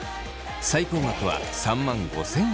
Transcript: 最高額は３万５，０００円。